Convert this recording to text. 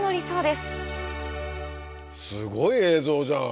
すごい映像じゃん！